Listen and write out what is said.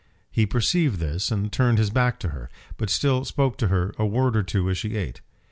He perceived this, and turned his back to her, but still spoke to her a word or two as she ate.